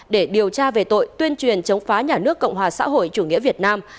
để điều tra về tội tuyên truyền chống phá nhà nước cộng hòa xã hội chủ nghĩa việt nam